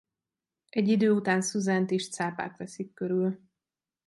Egy idő után Susant is cápák veszik körül.